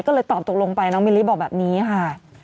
ก็เลยตอบตกลงไปน้องมิลลิบอกแบบนี้ค่ะ